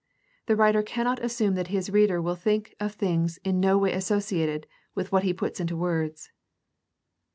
The writer cannot assume that his reader will think of things in no way associated with what he puts into words.